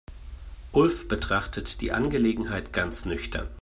Ulf betrachtet die Angelegenheit ganz nüchtern.